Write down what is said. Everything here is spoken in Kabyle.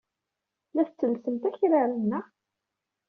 La tettellsemt akraren, naɣ?